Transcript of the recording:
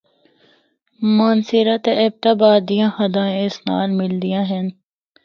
مانسہرہ تے ایبٹ آباد دی حداں اس نال ملدیاں ہن۔